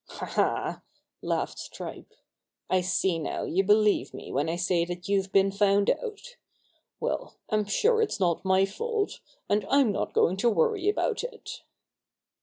"Ha! Ha!" laughed Stripe. "I see now you believe me when I say that you've been found out. Well, I'm sure it's not my fault, and I'm not going to worry about it."